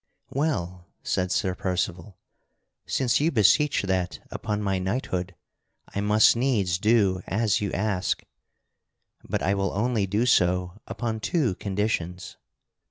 "Well," said Sir Percival, "since you beseech that upon my knighthood I must needs do as you ask. But I will only do so upon two conditions.